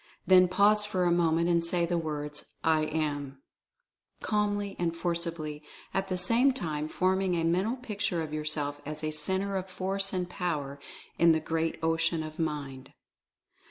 Then pause for a moment, and say the words, "I AM," calmly and forcibly, at the same time forming a mental picture of yourself as a Centre of Force and Power in the Great Ocean of Mind.